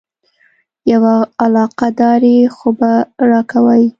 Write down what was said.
یوه علاقه داري خو به راکوې.